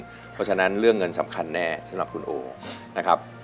เพราะฉะนั้นเรื่องเงินสำคัญแน่สำหรับคุณโอนะครับ